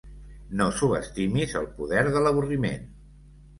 No subestimis el poder de l'avorriment.